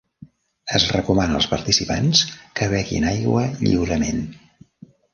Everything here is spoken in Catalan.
Es recomana als participants que beguin aigua lliurement.